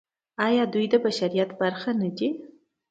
آیا دوی د بشریت برخه نه دي؟